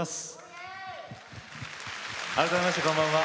改めまして、こんばんは。